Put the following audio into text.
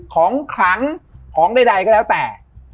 ของขลังของใดก็แล้วแต่